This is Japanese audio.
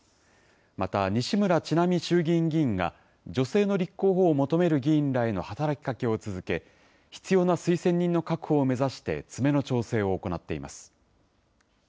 また、西村智奈美衆議院議員が、女性の立候補を求める議員らへの働きかけを続け、必要な推薦人の確保を目指して詰めの調整を行っています。